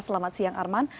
selamat siang arman